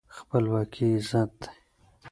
خپلواکي عزت دی.